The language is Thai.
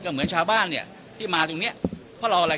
หรือเปล่า